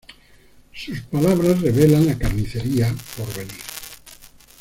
Sus palabras revelan la "carnicería" por venir.